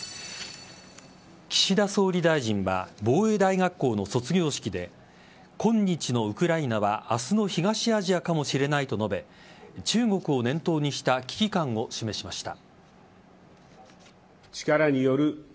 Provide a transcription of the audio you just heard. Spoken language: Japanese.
岸田総理大臣は防衛大学校の卒業式で今日のウクライナは明日の東アジアかもしれないと述べ中国を念頭にした危機感を示しました。